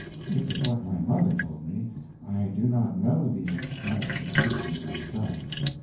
This is what my mother told me, I do not know these nice distinctions myself.